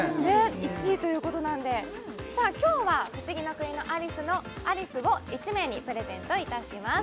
１位ということなんでさあ今日は「不思議の国のアリス」を１名にプレゼントいたします